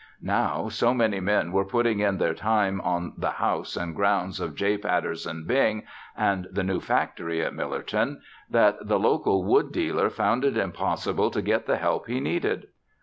Now, so many men were putting in their time on the house and grounds of J. Patterson Bing and the new factory at Millerton that the local wood dealer found it impossible to get the help he needed.